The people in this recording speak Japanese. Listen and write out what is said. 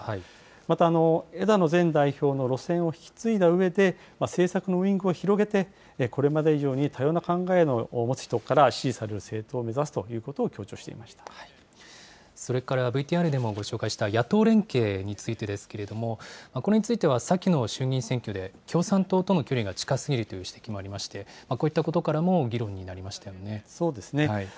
また枝野前代表の路線を引き継いだうえで、政策のウイングを広げて、これまで以上に多様な考えを持つ人から支持される政党を目指すとそれからＶＴＲでもご紹介した野党連携についてですけれども、これについては、先の衆議院選挙で、共産党との距離が近すぎるという指摘もありまして、こういったことからも、議論になりましたね。